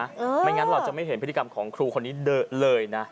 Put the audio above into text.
ไม่งั้นเราจะไม่เห็นพฤติกรรมของครูคนนี้เดอะเลยนะ